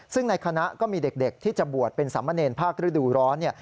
ซึ่งในคณะก็มีเด็กที่จะบวชเป็นสามเณรภาคฤดูร้อน